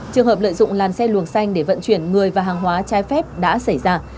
trường hợp lợi dụng làn xe luồng xanh để vận chuyển người và hàng hóa trái phép đã xảy ra